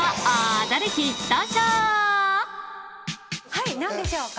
はい何でしょうか？